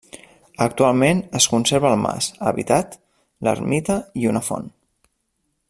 Actualment es conserva el mas, habitat, l'ermita i una font.